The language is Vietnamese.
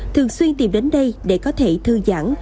thường xuyên tìm đến đây để có thể thư giãn